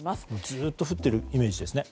ずっと降っているイメージですね。